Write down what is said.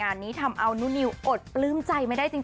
งานนี้ทำเอานุ่นนิวอดปลื้มใจไม่ได้จริง